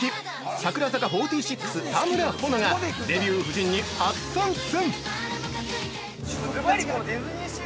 櫻坂４６・田村保乃がデビュー夫人に初参戦！